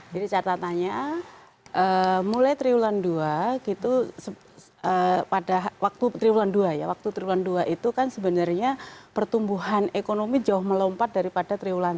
jadi catatannya mulai triulan dua waktu triulan dua itu kan sebenarnya pertumbuhan ekonomi jauh melompat daripada triulan satu